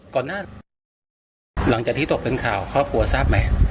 หลังจากที่ตกเป็นข่าวครอบครัวทราบไหม